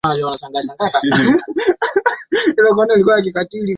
kutoka sudan kusini likitazamiwa kuanza hapo kesho jumapili